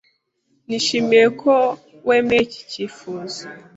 Nishimiye ko wemeye iki cyifuzo.